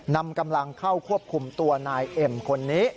นำกำลังเข้าควบคุมตัวนายเอ็มคนนี้